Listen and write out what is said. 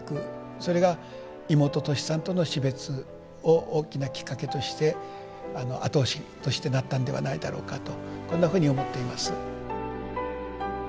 それが妹トシさんとの死別を大きなきっかけとして後押しとしてなったんではないだろうかとこんなふうに思っています。